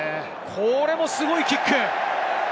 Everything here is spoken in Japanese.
これもすごいキック！